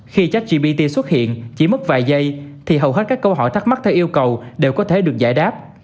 khi chat gpt xuất hiện chỉ mất vài giây thì hầu hết các câu hỏi thắc mắc theo yêu cầu đều có thể được giải đáp